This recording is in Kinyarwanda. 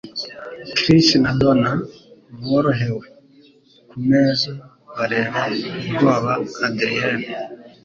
Chris na Donna borohewe kumeza, bareba ubwoba Adrienne.